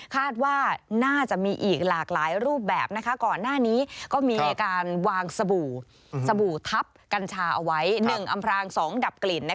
คาดว่าน่าจะมีอีกหลากหลายรูปแบบก่อนหน้านี้ก็มีการวางสบู่สบู่ทับกัญชาเอาไว้๑อำพราง๒ดับกลิ่น